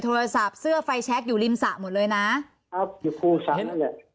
โทรศัพท์เสื้อไฟแชคอยู่ริมสระหมดเลยนะครับอยู่ภูสระนั่นแหละ